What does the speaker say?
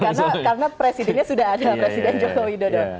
karena presidennya sudah ada presiden jokowi dodo